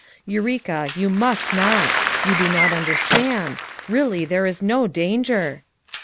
"Eureka, you must not ! you do not understand ; really there is no danger.